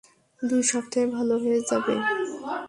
দুই সপ্তাহে ভালো হয়ে যাবে।